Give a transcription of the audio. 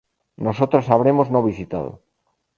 Nosotras habremos no visitado